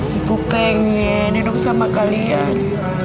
dipengin dinum sama kalian